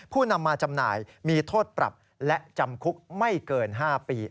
ผู้นำมาจำหน่ายมีโทษปรับและจำคุกไม่เกิน๕ปี